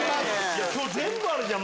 今日全部あるじゃん！